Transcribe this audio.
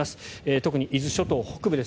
特に伊豆諸島北部です。